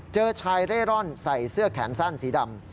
เจอชายเร่ร่อนใส่เสื้อแขนสั้นสีดำ